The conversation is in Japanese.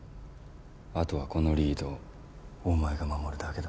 後はこのリードをお前が守るだけだ。